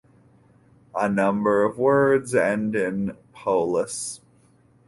A number of words end in "-polis".